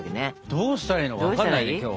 どうしたらいいのか分かんないね今日は。